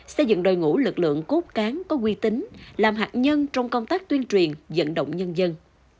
xây dựng đội ngũ lực lượng cốt cán có quy tính làm hạt nhân trong công tác tuyên truyền dẫn động nhân dân